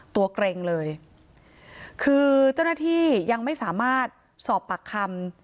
เกร็งเลยคือเจ้าหน้าที่ยังไม่สามารถสอบปากคำ